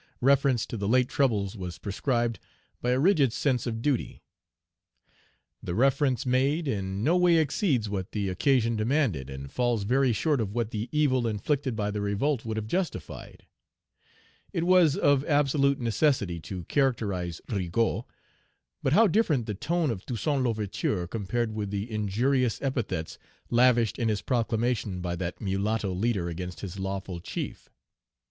Reference to the late troubles was prescribed by a rigid sense of duty. The reference made in no way exceeds what the occasion demanded, and falls very short of what the evil inflicted by the revolt would have justified. It was of absolute necessity to characterize Rigaud. But how different the tone of Toussaint L'Ouverture compared with the injurious epithets lavished in his proclamation by that mulatto leader against his lawful chief!